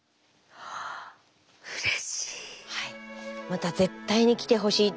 また絶対に来てほしい。